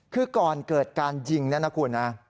คือก่อนเกิดการยิงนะครับคุณ